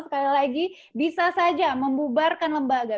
sekali lagi bisa saja membubarkan lembaga